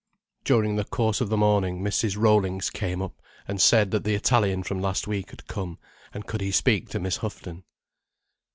During the course of the morning Mrs. Rollings came up and said that the Italian from last week had come, and could he speak to Miss Houghton.